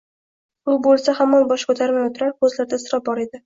U bo‘lsa hamon bosh ko‘tarmay o‘tirar, ko‘zlarida iztirob bor edi.